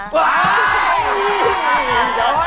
ว้าว